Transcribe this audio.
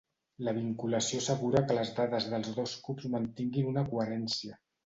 La vinculació assegura que les dades dels dos cubs mantinguin una coherència.